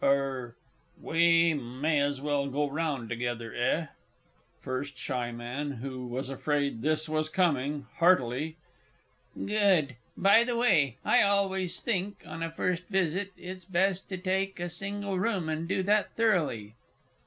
_) Er we may as well go round together, eh? FIRST S. M. (who was afraid this was coming heartily). Good! By the way, I always think, on a first visit, it's best to take a single room, and do that thoroughly.